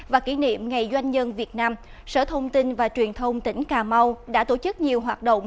và kỷ niệm ngày doanh nhân việt nam sở thông tin và truyền thông tỉnh cà mau đã tổ chức nhiều hoạt động